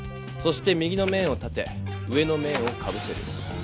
そして右の面を立て上の面をかぶせる。